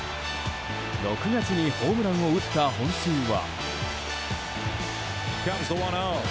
６月にホームランを打った本数は。